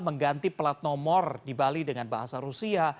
mengganti pelat nomor di bali dengan bahasa rusia